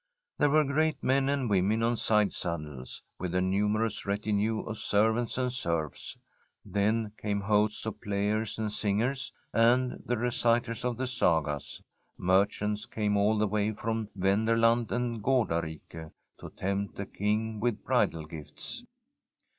There were great men and women on side saddles, with a numerous retinue of servants and serfs. Then came hosts of players and singers, and the reciters of the Sagas. Merchants came all the way from Ven derland and Gardarike, to tempt the King with bridal g^fts.